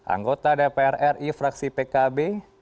anggota dpr ri fraksi pkb